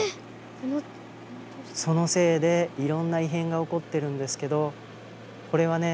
そのせいでいろんな異変が起こってるんですけどこれはね